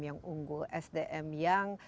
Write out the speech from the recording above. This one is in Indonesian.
yang unggul sdm yang